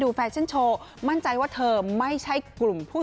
และหลายประเทศรวมกัน